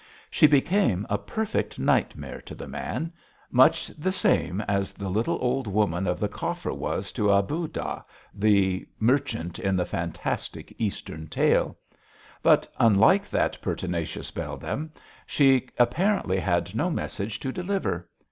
She became a perfect nightmare to the man, much the same as the little old woman of the coffer was to Abudah, the merchant in the fantastic eastern tale; but, unlike that pertinacious beldam, she apparently had no message to deliver.